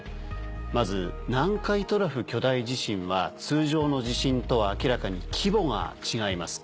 まず南海トラフ巨大地震は通常の地震とは明らかに規模が違います。